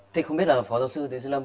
thế không biết là phó giáo sư thế sư lâm